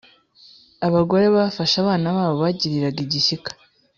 Abagore bafashe abana babo bagiriraga igishyika,